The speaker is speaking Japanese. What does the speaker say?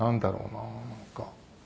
なんか」